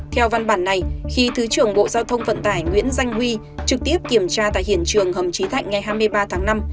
theo văn bản này khi thứ trưởng bộ giao thông vận tải nguyễn danh huy trực tiếp kiểm tra tại hiện trường hầm trí thạnh ngày hai mươi ba tháng năm